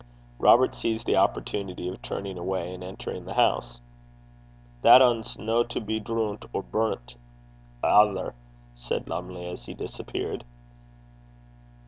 Robert seized the opportunity of turning away and entering the house. 'That ane's no to be droont or brunt aither,' said Lumley, as he disappeared.